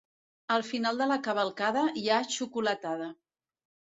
Al final de la cavalcada hi ha xocolatada.